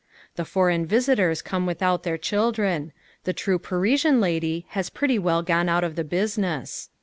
The foreign visitors come without their children. The true Parisian lady has pretty well gone out of the business.